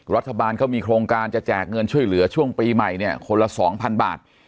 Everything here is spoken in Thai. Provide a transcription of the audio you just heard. รัฐบาลเขามีโครงการจะแจกเงินช่วยเหลือช่วงปีใหม่เนี่ยคนละ๒๐๐บาท